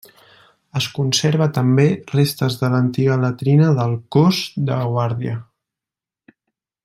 Es conserva també restes de l'antiga latrina del cós de guàrdia.